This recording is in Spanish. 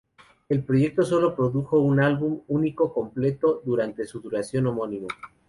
El proyecto sólo produjo un álbum único completo durante su duración, homónimo.